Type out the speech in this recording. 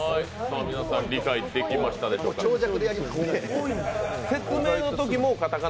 皆さん、理解できたでしょうか。